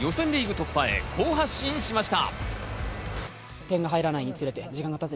突破へ好発進しました。